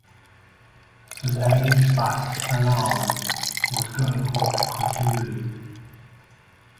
The main buss alarm was going off continually.